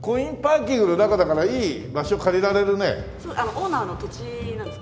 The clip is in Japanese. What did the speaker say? オーナーの土地なんですここ。